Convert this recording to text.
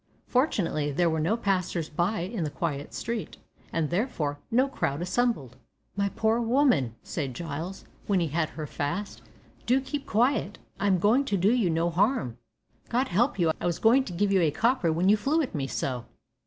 Fortunately, there were no passers by in the quiet street, and, therefore, no crowd assembled. "My poor woman," said Giles, when he had her fast, "do keep quiet. I'm going to do you no harm. God help you, I was goin' to give you a copper when you flew at me so.